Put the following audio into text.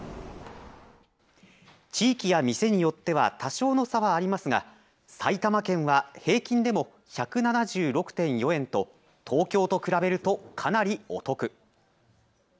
地域や店によっては多少の差はありますが埼玉県は平均でも１７６．４円と東京と比べるとかなりお得。